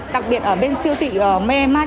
đặc biệt ở bên siêu thị memath